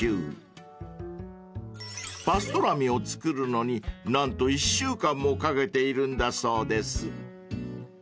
［パストラミを作るのに何と１週間もかけているんだそうです］